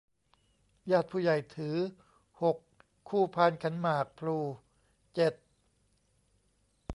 ญาติผู้ใหญ่ถือ หก คู่พานขันหมากพลู เจ็ด